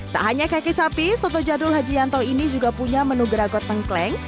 tak hanya kaki sapi soto jadul hajianto ini juga punya menu geragot tengkleng